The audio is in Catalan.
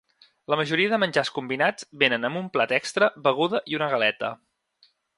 La majoria de menjars combinats venen amb un plat extra, beguda i una galeta.